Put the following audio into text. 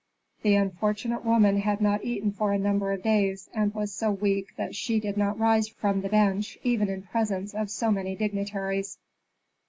The unfortunate woman had not eaten for a number of days, and was so weak that she did not rise from the bench even in presence of so many dignitaries.